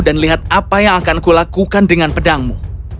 dan lihat apa yang akan kulakukan dengan pedangmu